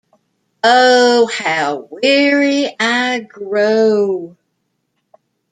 Oh, how weary I grow.